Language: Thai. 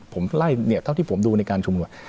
ผมไล่เนี่ยเท่าที่ผมดูในการชุมนุม